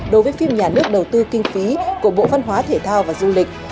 đối với phim nhà nước đầu tư kinh phí của bộ văn hóa thể thao và du lịch